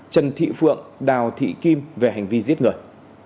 trần thị phượng đào thị kim về hành vi giết người